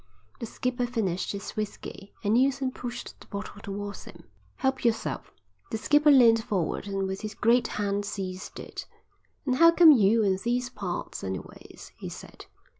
The skipper finished his whisky, and Neilson pushed the bottle towards him. "Help yourself." The skipper leaned forward and with his great hand seized it. "And how come you in these parts anyways?" he said.